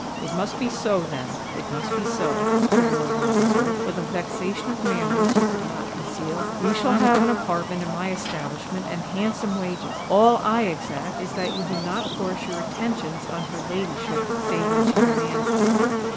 "It must be so, then—it must be so," said Lord Ravensworth, with a vexation of manner which he could not conceal. "You shall have an apartment in my establishment and handsome wages:—all I exact is that you do not force your attentions on her ladyship save when she demands them."